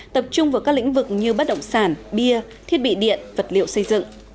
tập trung vào các lĩnh vực như bất động sản bia thiết bị điện vật liệu xây dựng